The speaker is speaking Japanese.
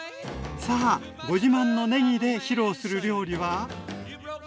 さあご自慢のねぎで披露する料理は？